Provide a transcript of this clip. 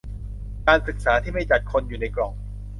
การศึกษาที่ไม่จัดคนอยู่ในกล่อง